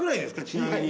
ちなみに。